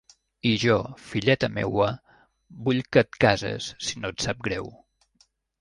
I jo, filleta meua, vull que et cases, si no et sap greu.